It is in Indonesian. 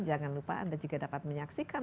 jangan lupa anda juga dapat menyaksikan